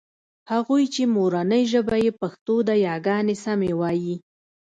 هغوی چې مورنۍ ژبه يې پښتو ده یاګانې سمې وايي